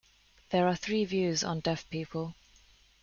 There are three views on Deaf people.